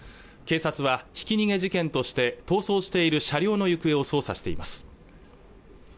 警察はひき逃げ事件として逃走している車両の行方を捜査しています